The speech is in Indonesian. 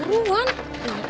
saya hanya mengingatku